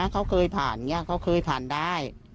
เขาเคยผ่านเขาเคยผ่านได้